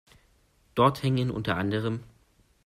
Dort hängen unter anderem